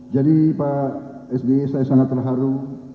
jadi pak sdi saya sangat terharu